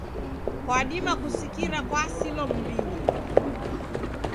Kwadima kusikira kwasilwa m'mbinyi.